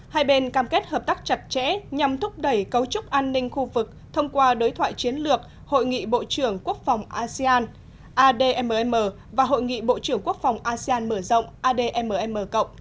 hai bên cam kết hợp tác chặt chẽ nhằm thúc đẩy cấu trúc an ninh khu vực thông qua đối thoại chiến lược hội nghị bộ trưởng quốc phòng asean admm và hội nghị bộ trưởng quốc phòng asean mở rộng admm cộng